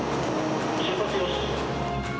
出発よし！